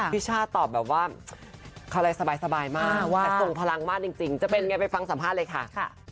ช่าตอบแบบว่าอะไรสบายมากแต่ส่งพลังมากจริงจะเป็นไงไปฟังสัมภาษณ์เลยค่ะ